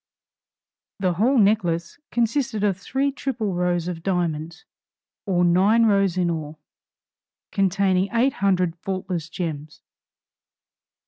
The whole necklace consisted of three triple rows of diamonds, or nine rows in all, containing eight hundred faultless gems.